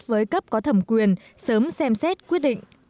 với cấp có thẩm quyền sớm xem xét quyết định